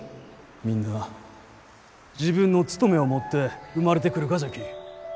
みんな自分の務めを持って生まれてくるがじゃき。